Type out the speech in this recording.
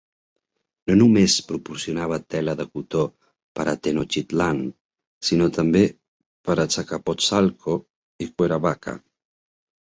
No només proporcionava tela de cotó per a Tenochtitlan, sinó també per Azcapotzalco i Cuerhavaca.